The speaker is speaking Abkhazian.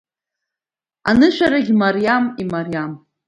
Анышәарагьы мариам, имариам.